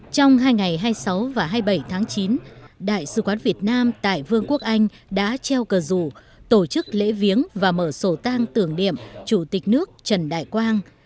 trong hai ngày hai mươi sáu và hai mươi bảy tháng chín đại sứ quán việt nam tại vương quốc anh đã treo cờ rủ tổ chức lễ viếng và mở sổ tang tưởng niệm chủ tịch nước trần đại quang